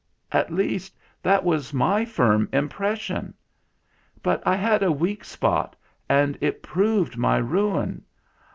At least, that was my firm impression. But I had a weak spot, and it proved my ruin.